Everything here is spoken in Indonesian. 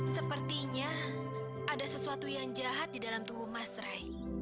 sepertinya ada sesuatu yang jahat di dalam tubuh mas rai